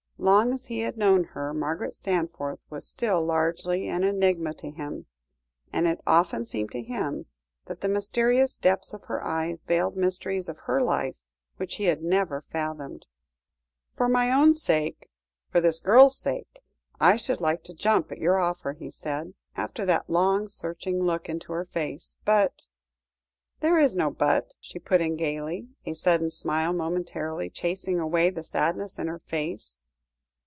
Long as he had known her, Margaret Stanforth was still largely an enigma to him, and it often seemed to him that the mysterious depths of her eyes veiled mysteries of her life which he had never fathomed. "For my own sake, for this girl's sake, I should like to jump at your offer," he said, after that long, searching look into her face, "but " "There is no 'but,'" she put in gaily, a sudden smile momentarily chasing away the sadness of her face.